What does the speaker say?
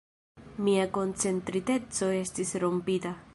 Mia koncentriteco estis rompita.